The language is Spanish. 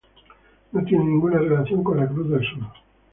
No tiene ninguna relación con la Cruz del sur.